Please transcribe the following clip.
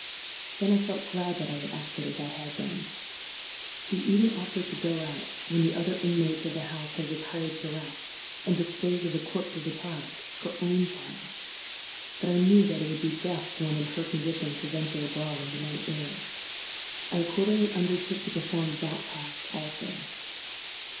Then I felt glad that I had acted as I had done. She even offered to go out, when the other inmates of the house had retired to rest, and dispose of the corpse of the child—her own child; but I knew that it would be death to one in her condition to venture abroad in the night air. I accordingly undertook to perform that task also.